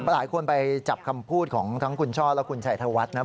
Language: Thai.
หลายคนไปจับคำพูดของทั้งคุณช่อและคุณชัยธวัฒน์นะ